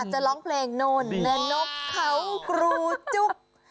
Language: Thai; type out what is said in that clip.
อาจจะร้องเพลงนนนกเขากรูจุ๊บ